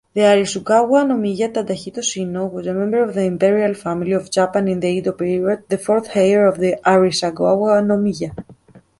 The Arisugawa-no-miya Tadahito Shinnō was a member of the Imperial Family of Japan in the Edo period, the fourth heir of the Arisugawa-no-miya.